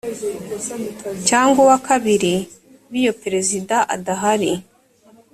cyangwa uwa kabiri biyo perezida adahari